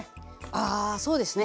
ああそうですね。